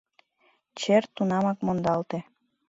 Чер тунамак мондалте.